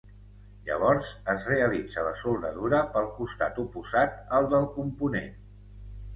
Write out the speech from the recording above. Llavors es realitza la soldadura pel costat oposat al del component.